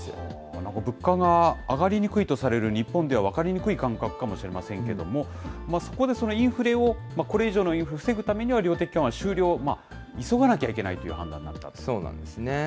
なんか物価が上がりにくいとされる日本では分かりにくい感覚かもしれませんけれども、そこでそのインフレを、これ以上のインフレを防ぐためには量的緩和終了、急がなきゃいけそうなんですね。